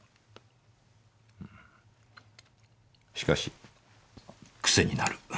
しかし癖になる。